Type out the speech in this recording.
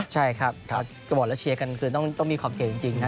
ใช่จะบอกละเชียร์กันต้องมีความเคลียร์จริง